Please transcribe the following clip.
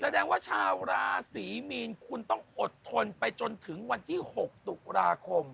แสดงว่าชาวราศรีมีนคุณต้องอดทนไปจนถึงวันที่๖ตุลาคม